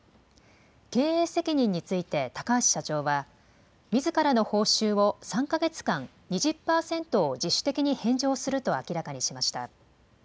経営責任について高橋社長は、みずからの報酬を３か月間、２０％を自主的に返上すると明らかにしました。